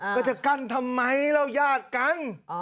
ก็จะกันทำไมเรายากกัน